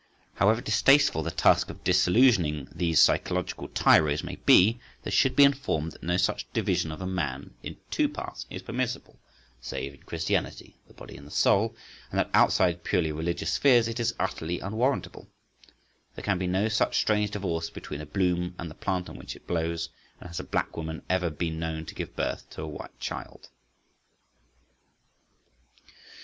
However distasteful the task of disillusioning these psychological tyros may be, they should be informed that no such division of a man into two parts is permissible, save in Christianity (the body and the soul), but that outside purely religious spheres it is utterly unwarrantable. There can be no such strange divorce between a bloom and the plant on which it blows, and has a black woman ever been known to give birth to a white child?